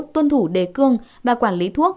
tuân thủ đề cương và quản lý thuốc